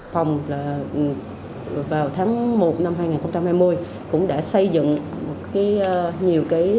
phòng là tháng một năm hai nghìn hai mươi cũng đã xây dựng nhiều cái